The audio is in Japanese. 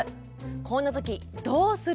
こんな時どうする？